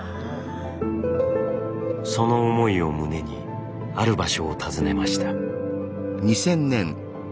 その思いを胸にある場所を訪ねました。